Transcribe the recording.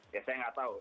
ya saya nggak tahu